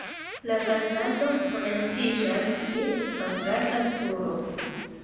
La fasado komenciĝas je kvadrata turo.